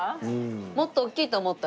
もっと大きいと思った？